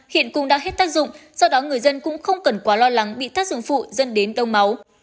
hiện cũng đã hết tác dụng do đó người dân cũng không cần quá lo lắng bị tác dụng phụ dẫn đến đông máu